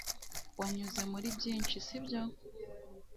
Wanyuze muri byinshi, sibyo?